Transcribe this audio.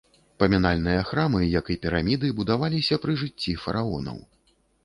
Памінальныя храмы, як і піраміды, будаваліся пры жыцці фараонаў.